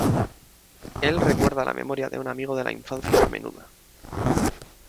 Él recuerda la memoria de un amigo de la infancia a menudo.